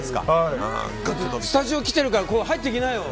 スタジオ来てるから入ってきなよ！